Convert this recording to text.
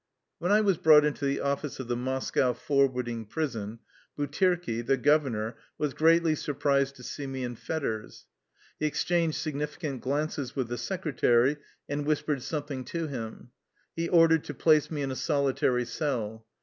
When I was brought into the office of the Mos cow forwarding prison, Butirkiy the governor was greatly surprised to see me in fetters. He exchanged significant glances with the secre tary, and whispered something to him. He or dered to place me in a solitary cell.